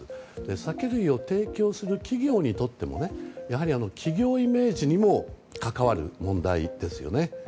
酒類を提供する企業にとってもねやはり、その企業イメージにも関わる問題ですよね。